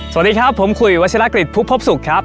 สวัสดีครับผมคุยวัชลากฤษพุทธพบสุขครับ